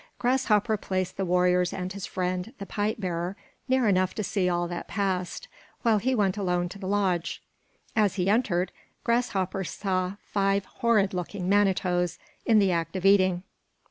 Grasshopper placed the warriors and his friend, the pipe bearer, near enough to see all that passed, while he went alone to the lodge. As he entered, Grasshopper saw five horrid looking Manitoes in the act of eating.